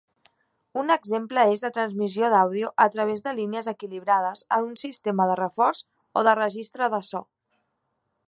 Un exemple és la transmissió d'àudio a través de línies equilibrades en un sistema de reforç o de registre de so.